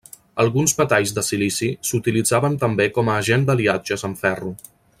Alguns metalls de silici s'utilitzaven també com a agent d'aliatges amb ferro.